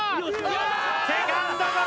セカンドゴロ。